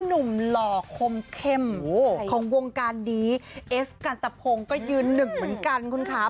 หล่อคมเข้มของวงการนี้เอสกันตะพงก็ยืนหนึ่งเหมือนกันคุณค่ะ